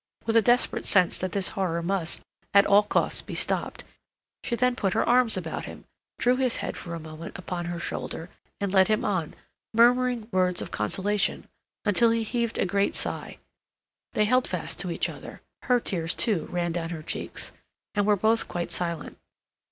With a desperate sense that this horror must, at all costs, be stopped, she then put her arms about him, drew his head for a moment upon her shoulder, and led him on, murmuring words of consolation, until he heaved a great sigh. They held fast to each other; her tears, too, ran down her cheeks; and were both quite silent.